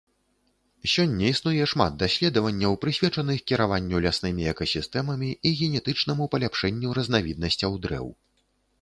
Сёння існуе шмат даследаванняў, прысвечаных кіраванню ляснымі экасістэмамі і генетычнаму паляпшэнню разнавіднасцяў дрэў.